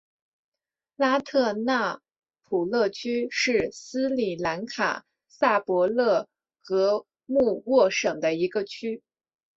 拉特纳普勒区是斯里兰卡萨伯勒格穆沃省的一个区。